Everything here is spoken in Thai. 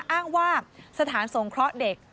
อ้างว่าสถานสงเคราะห์เด็ก